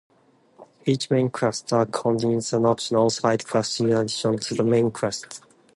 Each main quest arc contains optional side-quests in addition to the main quests.